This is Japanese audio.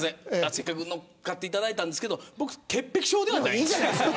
せっかく乗っかっていただいたんですけど僕、潔癖症ではないです。